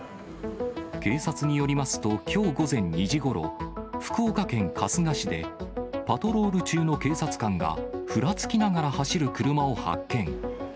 警察によりますと、きょう午前２時ごろ、福岡県春日市で、パトロール中の警察官が、ふらつきながら走る車を発見。